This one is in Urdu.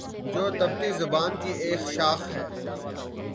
جو تبتی زبان کی ایک شاخ ہے